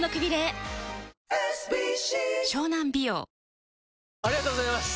この後ありがとうございます！